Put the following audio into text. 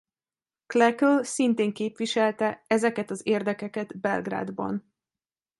Klekl szintén képviselte ezeket az érdekeket Belgrádban.